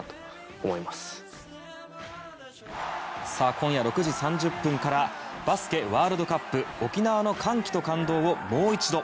今夜６時３０分から「バスケＷ杯沖縄の歓喜と感動をもう一度」。